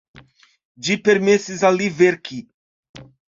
Ĝi permesis al li verki.